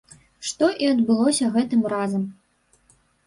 Што і адбылося гэтым разам.